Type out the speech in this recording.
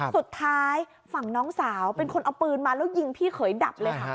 สุดท้ายฝั่งน้องสาวเป็นคนเอาปืนมาแล้วยิงพี่เขยดับเลยค่ะ